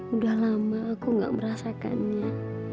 udah lama aku gak merasakannya